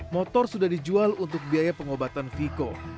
motor sudah dijual untuk biaya pengobatan vko